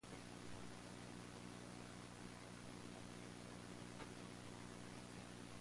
He dedicated the rest of his life to helping others achieve liberation.